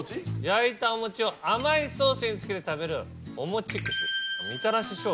焼いたおもちを甘いソースにつけて食べるおもち串みたらし生姜。